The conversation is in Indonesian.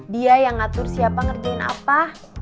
dia yang ngatur siapa ngerjain apa